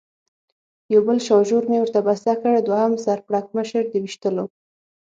یو بل شاژور مې ورته بسته کړ، دوهم سر پړکمشر د وېشتلو.